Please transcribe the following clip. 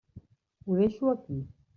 Ho deixo aquí.